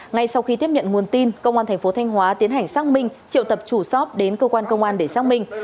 ngay sau khi tiếp nhận nguồn tin công an thành phố thanh hóa tiến hành xác minh triệu tập chủ shp đến cơ quan công an để xác minh